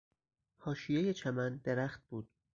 حاشیهی چمن درخت بود.